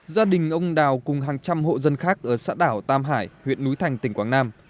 gia đình ông đào cùng hàng trăm hộ dân khác ở xã đảo tam hải huyện núi thành tỉnh quảng nam